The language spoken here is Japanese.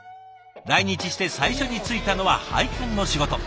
来日して最初に就いたのは配管の仕事。